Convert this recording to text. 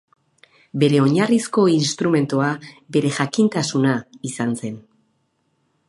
Bere oinarrizko instrumentua bere jakintasuna izan zen.